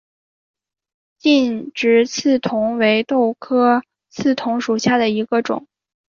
劲直刺桐为豆科刺桐属下的一个种。